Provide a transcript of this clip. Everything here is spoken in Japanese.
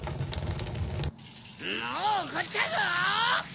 ・もうおこったぞ！